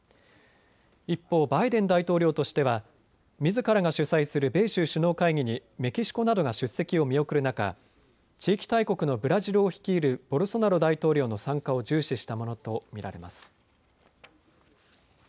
一方、バイデン大統領としてはみずからが主催する米州首脳会議にメキシコなどが出席を見送る中、地域大国のブラジルを率いるボルソナロ大統領の参加を重視したものと見られます。